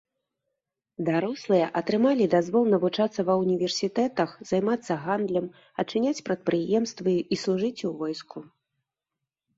Дарослыя атрымалі дазвол навучацца ва ўніверсітэтах, займацца гандлем, адчыняць прадпрыемствы і служыць у войску.